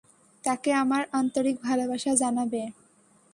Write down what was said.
তাঁকে আমার আন্তরিক ভালবাসা জানাবে।